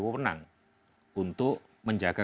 wunang untuk menjaga